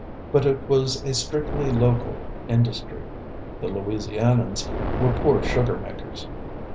But it was a strictly local industry. The Louisianians were poor sugar makers.